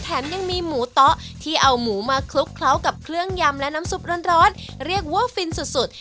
แถมยังมีหมูเตาะที่เอาหมูมาคลุกเคล้ากับเครื่องยำและน้ำซุปร้อนเรียกว่าฟินสุดสุด